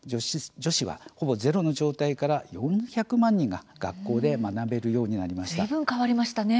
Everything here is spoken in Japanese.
女子はほぼゼロの状態から４００万人が学校で学べるようになったんです。